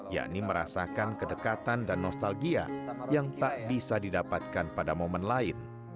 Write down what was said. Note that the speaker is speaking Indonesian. yakni merasakan kedekatan dan nostalgia yang tak bisa didapatkan pada momen lain